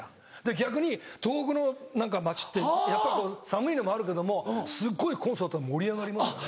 逆に東北の町ってやっぱこう寒いのもあるけどもすっごいコンサートは盛り上がりますよね。